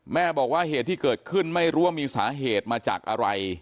แม่บอกว่าเหตุที่เกิดขึ้นไม่รู้ว่ามีสาเหตุมาจากอะไร